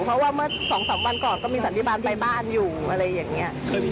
เพราะว่าเมื่อ๒๓วันก่อนก็มีสันติบาลไปบ้านอยู่อะไรอย่างนี้